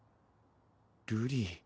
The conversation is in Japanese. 瑠璃。